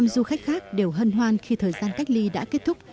ba mươi năm du khách khác đều hân hoan khi thời gian cách ly đã kết thúc